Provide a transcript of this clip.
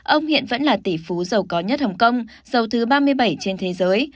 ông hiện vẫn là tỷ phú giàu có nhất hồng kông dầu thứ ba mươi bảy trên thế giới